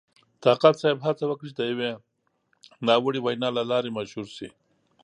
طاقت صاحب هڅه وکړه چې د یوې ناوړې وینا له لارې مشهور شي.